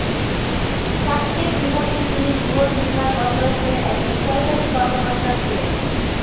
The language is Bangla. চাকরি জীবনে তিনি জীবন বীমা করপোরেশনের একজন সরকারি কর্মকর্তা ছিলেন।